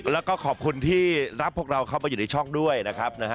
แล้วก็ขอบคุณที่รับพวกเราเข้ามาอยู่ในช่องด้วยนะครับนะฮะ